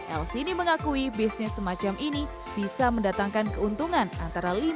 elsini mengakui bisnis semacam ini bisa mendatangkan keuntungan antara